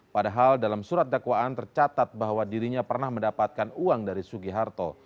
padahal dalam surat dakwaan tercatat bahwa dirinya pernah mendapatkan uang dari sugiharto